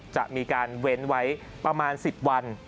จะมีการเว้นไว้ประมาณ๑๐วัน